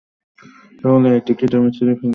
তাহলে, এই টিকিট আমি ছিরে ফেলবো না রাখবো?